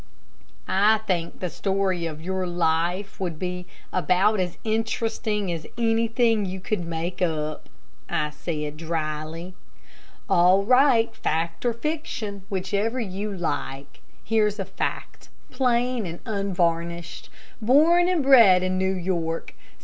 "I think the story of your life would be about as interesting as anything you could make up," I said, dryly. "All right, fact or fiction, whichever you like. Here's a fact, plain and unvarnished. Born and bred in New York.